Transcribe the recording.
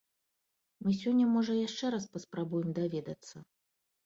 Мы сёння можа яшчэ раз паспрабуем даведацца.